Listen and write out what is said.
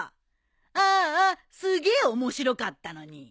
ああスゲえ面白かったのに。